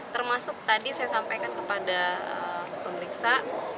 termasuk tadi saya sampaikan kepada pemeriksa